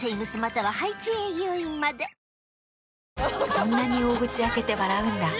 そんなに大口開けて笑うんだ。